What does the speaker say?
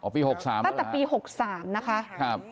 อ๋อปี๖๓นะคะครับตั้งแต่ปี๖๓นะคะครับ